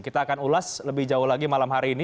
kita akan ulas lebih jauh lagi malam hari ini